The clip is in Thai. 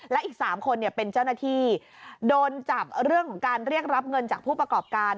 และอีก๓คนเป็นเจ้าหน้าที่โดนจับเรื่องของการเรียกรับเงินจากผู้ประกอบการ